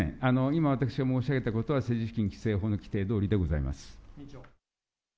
今、私が申し上げたことは、政治資金規正法の規定どおりでございます。